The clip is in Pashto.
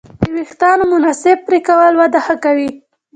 د وېښتیانو مناسب پرېکول وده ښه کوي.